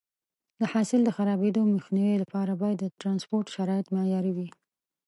د حاصل د خرابېدو مخنیوي لپاره باید د ټرانسپورټ شرایط معیاري وي.